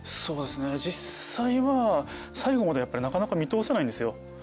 そうですね実際は最後までなかなか見通せないんですよ。